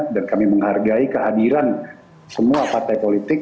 dan kami menghargai kehadiran semua partai politik